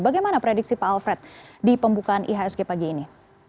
bagaimana prediksi pak alfred di pembukaan ihsg pagi ini